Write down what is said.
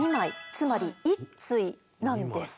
つまり１対なんです。